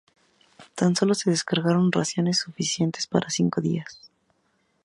Tan sólo se descargaron raciones suficientes para cinco días.